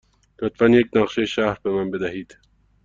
لطفاً یک نقشه شهر به من بدهید.